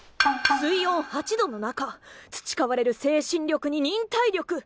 水温８度の中つちかわれる精神力に忍耐力。